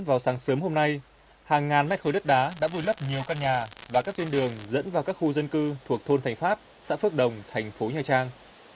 vào sáng sớm hôm nay hàng ngàn mét khối đất đá đã vùi lấp nhiều căn nhà và các tuyên đường dẫn vào các khu dân cư thuộc thôn thành pháp xã phước đồng thành phố nhà trang